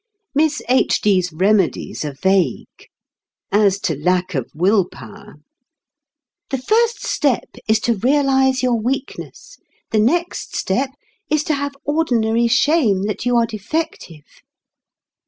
Miss H. D.'s remedies are vague. As to lack of will power, "the first step is to realize your weakness; the next step is to have ordinary shame that you are defective."